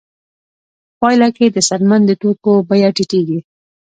په پایله کې د څرمن د توکو بیه ټیټېږي